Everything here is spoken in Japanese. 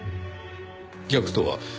逆とは？